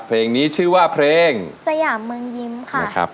เพลงที่๖ของน้องข้าวหอมมาครับ